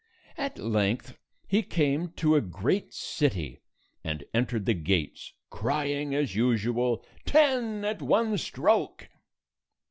At length, he came to a great city, and entered the gates, crying as usual, "Ten at one stroke!"